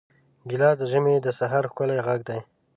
ګیلاس د ژمي د سحر ښکلی غږ دی.